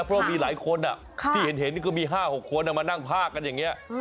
เพราะมีหลายคนที่เห็นนี่ก็มี๕๖คนมานั่งผ้ากันอย่างนี้